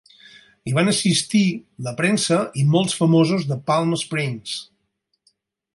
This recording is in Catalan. Hi van assistir la premsa i molts famosos de Palm Springs.